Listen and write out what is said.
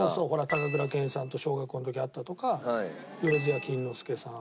高倉健さんと小学校の時に会ったとか萬屋錦之介さん